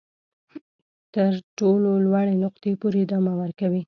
تر تر ټولو لوړې نقطې پورې ادامه ورکوي.